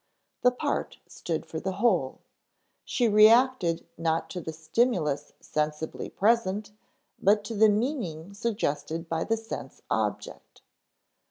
The part stood for the whole; she reacted not to the stimulus sensibly present, but to the meaning suggested by the sense object.